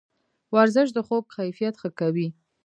ورزش د خوب کیفیت ښه کوي.